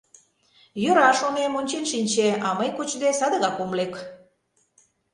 Йӧра, шонем, ончен шинче, а мый кочде садыгак ом лек.